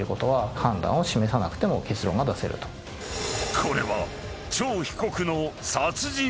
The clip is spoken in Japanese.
［これは］